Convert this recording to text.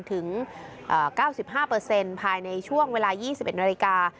ถึง๙๕ภายในช่วงเวลา๒๑นาฬิกา